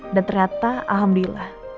dan ternyata alhamdulillah